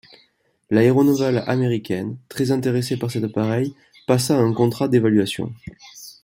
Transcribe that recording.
L’aéronavale américaine, très intéressée par cet appareil, passa un contrat d’évaluation.